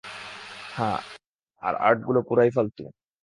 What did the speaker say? হ্যাঁ, আর আর্ট গুলা পুরাই ফালতু।